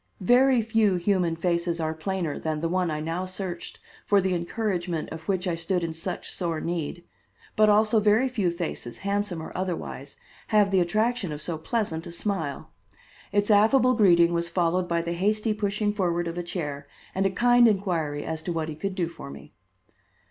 Very few human faces are plainer than the one I now searched for the encouragement of which I stood in such sore need, but also very few faces, handsome or otherwise, have the attraction of so pleasant a smile. Its affable greeting was followed by the hasty pushing forward of a chair and a kind inquiry as to what he could do for me.